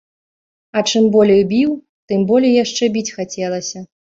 А чым болей біў, тым болей яшчэ біць хацелася.